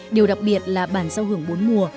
điều đặc biệt là bản giao hưởng bốn mùa